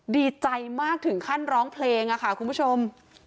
ดีใจมากถึงขั้นร้องเพลงค่ะคุณผู้ชม